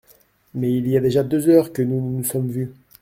Mais il y a déjà deux heures que nous ne nous sommes vus.